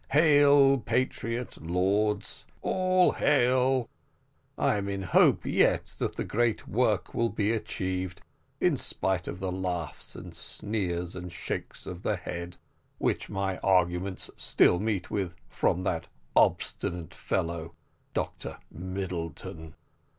Hail, patriot lords! all hail! I am in hopes yet the great work will be achieved, in spite of the laughs and sneers and shakes of the head which my arguments still meet with from that obstinate fellow Dr Middleton.